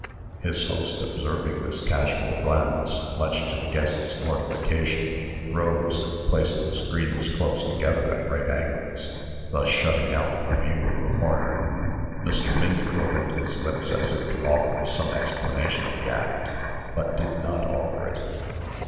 His host, observing this casual glance, much to the guest's mortification, rose, and placed the screens close together at right angles, thus shutting out a view of the corner. Mr. Minford opened his lips as if to offer some explanation of the act, but did not offer it.